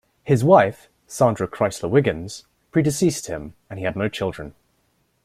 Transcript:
His wife, Sandra Crysler-Wiggins, predeceased him, and he had no children.